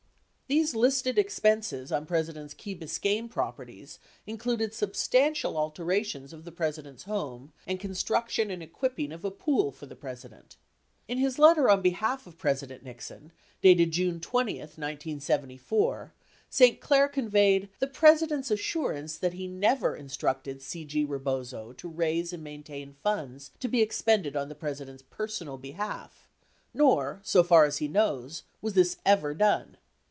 These listed expenses on President Nixon's Key Bis cayne properties included substantial alterations of the President's home and construction and equipping of a pool for the President. In his letter on behalf of President Nixon, dated June 20, 1974, St. Clair conveyed "the President's assurance that he never instructed C. G. Rebozo to raise and maintain funds to be expended on the President's personal behalf, nor, so far as he knows, was this ever done."